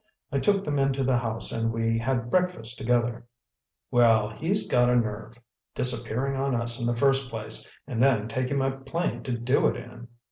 I took them into the house and we had breakfast together." "Well, he's got a nerve! Disappearing on us in the first place, and then taking my plane to do it in!"